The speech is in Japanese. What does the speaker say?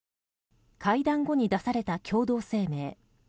会談後に出された共同声明。